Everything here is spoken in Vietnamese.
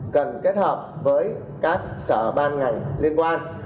cần kết hợp với các sở ban ngành liên quan